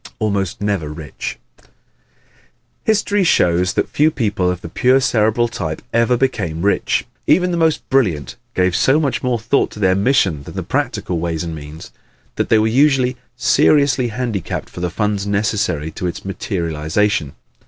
Almost Never Rich ¶ History shows that few people of the pure Cerebral type ever became rich. Even the most brilliant gave so much more thought to their mission than the practical ways and means that they were usually seriously handicapped for the funds necessary to its materialization.